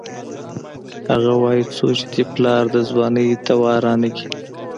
اگه وايي څو چې دې پلار د ځوانۍ دوا رانکي.